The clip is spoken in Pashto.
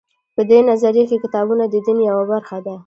په دې نظریه کې کتابونه د دین یوه برخه دي.